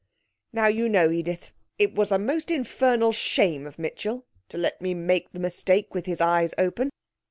Now, you know, Edith, it was a most infernal shame of Mitchell to let me make the mistake with his eyes open.